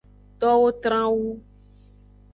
Towo tran wu.